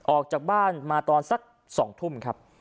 ออกจากบ้านมาตอนสัก๒ทุ่มครับ